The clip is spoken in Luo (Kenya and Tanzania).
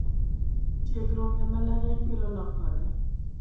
Tiegruok embalariany biro lokore